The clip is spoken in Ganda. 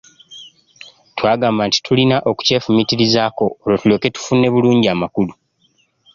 Twagamba nti tulina okukyefumiitirizaako olwo tulyoke tufune bulungi amakulu.